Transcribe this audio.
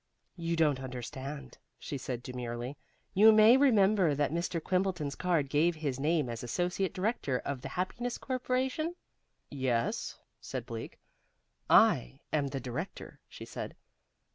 "You don't understand," she said demurely. "You may remember that Mr. Quimbleton's card gave his name as associate director of the Happiness Corporation?" "Yes," said Bleak. "I am the Director," she said.